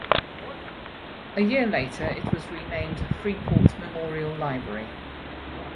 A year later it was renamed Freeport Memorial Library.